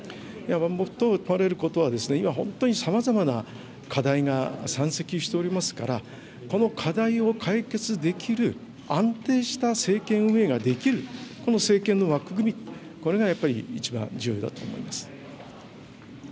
最も問われることは、今、本当にさまざまな課題が山積しておりますから、この課題を解決できる安定した政権運営ができる、この政権の枠組み、これがやっぱり一番重要だと思います。